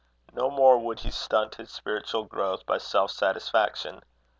No more would he stunt his spiritual growth by self satisfaction.